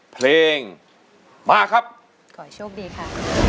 เพลงมาครับขอโชคดีค่ะ